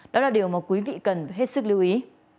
đó là điều mà quý vị cần hết sức lưu ý